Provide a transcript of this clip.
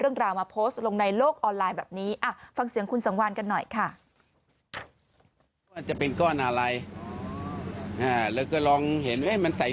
เพราะฉะนั้นก็เลยเอาก้อนนี้ไปให้ลูกสาว